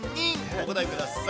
お答えください。